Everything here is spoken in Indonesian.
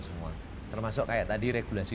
semua termasuk kayak tadi regulasi